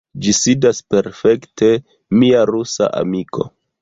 Ĝi sidas perfekte, mia rusa amiko.